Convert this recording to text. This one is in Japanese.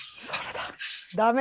それだ。